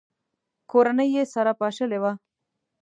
کورنۍ یې سره پاشلې وه.